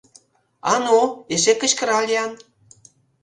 — А ну, эше кычкырал-ян!